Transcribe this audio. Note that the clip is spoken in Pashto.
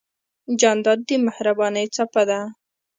جانداد د مهربانۍ څپه ده.